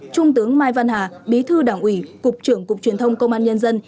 trung tướng mai văn hà bí thư đảng ủy cục trưởng cục truyền thông công an nhân dân